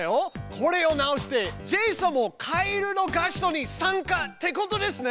これを直してジェイソンも「かえるの合唱」に参加ってことですね。